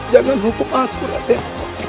jangan hukum aku raden